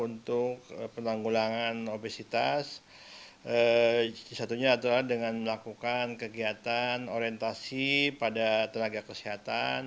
untuk penanggulangan obesitas satunya adalah dengan melakukan kegiatan orientasi pada tenaga kesehatan